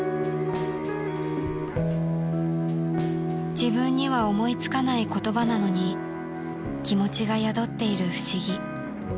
［自分には思い付かない言葉なのに気持ちが宿っている不思議］